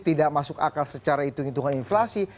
tidak masuk akal secara hitung hitungan inflasi